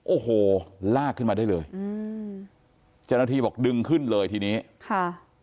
โอ้โหลากขึ้นมาได้เลยอืมเจ้าหน้าที่บอกดึงขึ้นเลยทีนี้ค่ะ